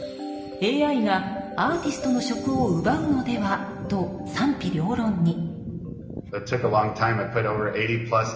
ＡＩがアーティストの職を奪うのではと賛否両論に。